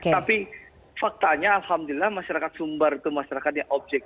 tapi faktanya alhamdulillah masyarakat sumbar itu masyarakatnya objek